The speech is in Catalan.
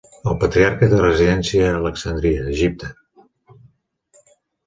El patriarca té residència a Alexandria, Egipte.